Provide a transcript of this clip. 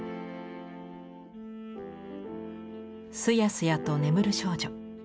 すやすやと眠る少女。